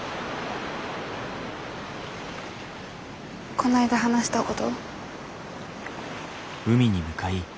こないだ話したごど？